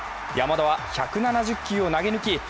山田は１７０球を投げ抜き